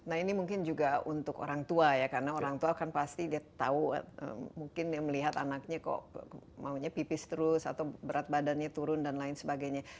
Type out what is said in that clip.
nah ini mungkin juga untuk orang tua ya karena orang tua kan pasti dia tahu mungkin ya melihat anaknya kok maunya pipis terus atau berat badannya turun dan lain sebagainya